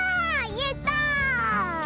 やった！